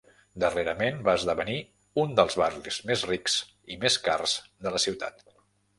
Darrerament, va esdevenir un dels barris més rics i més cars de la ciutat.